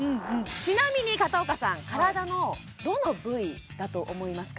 ちなみに片岡さん体のどの部位だと思いますか？